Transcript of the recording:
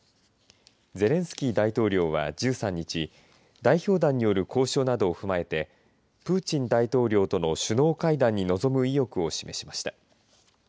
ゼレンスキー大統領は１３日代表団による交渉などを踏まえてプーチン大統領との首脳会談に臨む意欲を示しました。